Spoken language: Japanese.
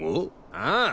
ああ！